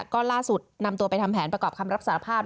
ก็ล่าสุดนำตัวไปทำแผนประกอบคำรับสารภาพ